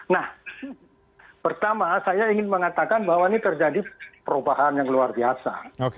nah pertama saya ingin mengatakan bahwa ini terjadi perubahan yang luar biasa